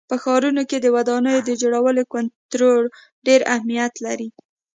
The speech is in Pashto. په ښارونو کې د ودانیو د جوړولو کنټرول ډېر اهمیت لري.